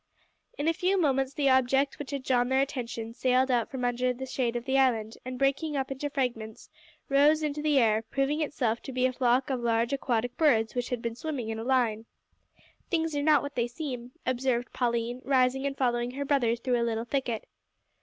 In a few moments the object which had drawn their attention sailed out from under the shade of the island, and, breaking up into fragments, rose into the air, proving itself to be a flock of large aquatic birds which had been swimming in a line. "Things are not what they seem," observed Pauline, rising and following her brothers through a little thicket.